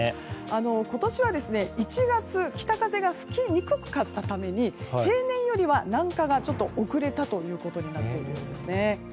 今年は、１月北風が吹きにくかったために平年よりは南下が遅れたということになっているんです。